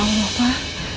ya allah pak